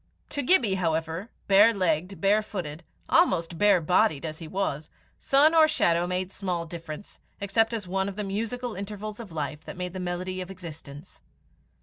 To Gibbie, however, bare legged, bare footed, almost bare bodied as he was, sun or shadow made small difference, except as one of the musical intervals of life that make the melody of existence.